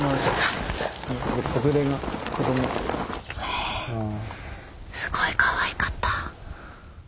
えすごいかわいかった。